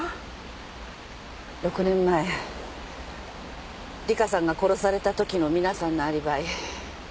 ６年前里香さんが殺されたときの皆さんのアリバイ